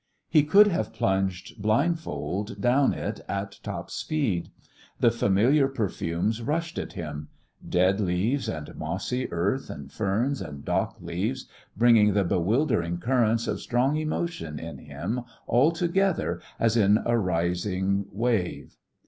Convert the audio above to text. He could have plunged blindfold down it at top speed. The familiar perfumes rushed at him dead leaves and mossy earth and ferns and dock leaves, bringing the bewildering currents of strong emotion in him all together as in a rising wave.